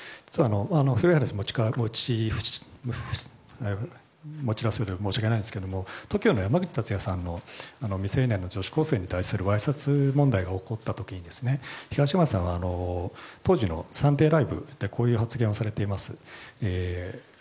古い話を持ち出すようで申し訳ないんですけどＴＯＫＩＯの山口達也さんの未成年の女子高生に対するわいせつ問題が起こった時に東山さんは当時の「サンデーＬＩＶＥ！」でこういう発言をされています。